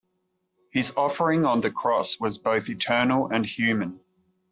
His offering on the cross was both eternal and human.